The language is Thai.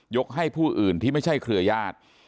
ให้ผู้อื่นที่ไม่ใช่เครือญาติ